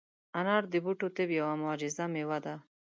انار د بوټو طب یوه معجزه مېوه ده.